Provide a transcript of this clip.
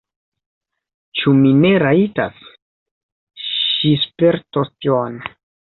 Ĉu mi ne rajtas? Ŝi spertos tion!